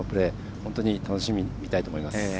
本当に楽しみに見たいと思います。